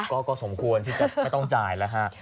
ก็สมควรที่จะไม่ต้องจ่ายแล้วฮะ